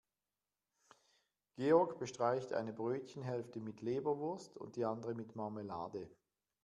Georg bestreicht eine Brötchenhälfte mit Leberwurst und die andere mit Marmelade.